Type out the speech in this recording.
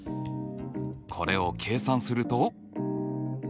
これを計算すると。